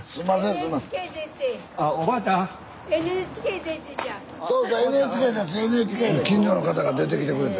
スタジオ近所の方が出てきてくれた。